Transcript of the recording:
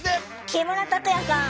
木村拓哉さん！